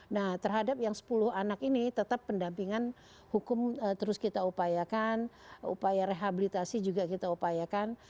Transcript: nah terhadap yang sepuluh anak ini tetap pendampingan hukum terus kita upayakan upaya rehabilitasi juga kita upayakan